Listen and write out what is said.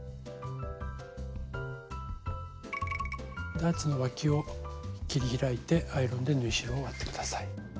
ダーツのわを切り開いてアイロンで縫い代を割って下さい。